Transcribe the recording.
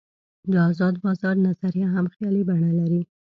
د آزاد بازار نظریه هم خیالي بڼه لري.